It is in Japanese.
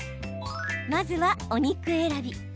まずは、お肉選び。